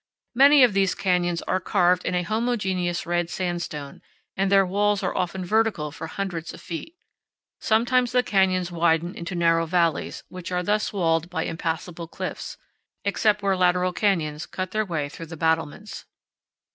Many of these canyons are carved in a homogeneous red sandstone, and their walls are often vertical for hundreds of feet. Sometimes the canyons widen into narrow valleys, which are thus walled by impassable cliffs, except where lateral canyons cut their way through the battlements.